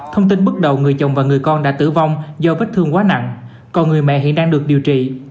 thông tin bước đầu người chồng và người con đã tử vong do vết thương quá nặng còn người mẹ hiện đang được điều trị